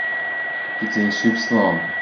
Go dté sibh slán